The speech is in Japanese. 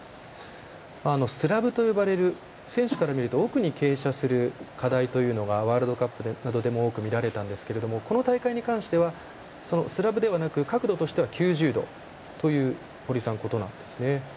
スラブと呼ばれる選手から見ると奥に傾斜する課題というのはワールドカップなどでも多く見られたんですがこの大会では、スラブではなく角度としては９０度ということなんですね。